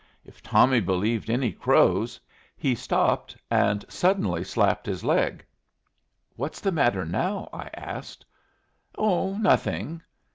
If Tommy believed any Crows " he stopped, and suddenly slapped his leg. "What's the matter now?" I asked. "Oh, nothing."